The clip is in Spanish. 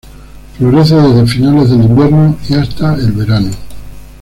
Florece desde finales del invierno y hasta el verano.